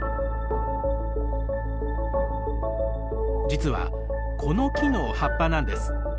実はこの木の葉っぱなんです。